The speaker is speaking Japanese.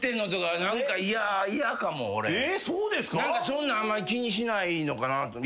そんなんあんまり気にしないのかなと。